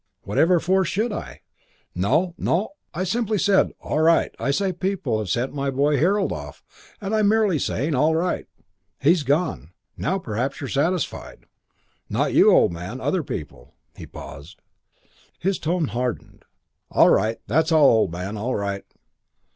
Whatever for should I? No, no, I simply said 'All right.' I say people have sent my boy Harold off, and I'm merely saying 'All right. He's gone. Now perhaps you're satisfied.' Not you, old man. Other people." He paused. His tone hardened. "All right. That's all, old man. All right."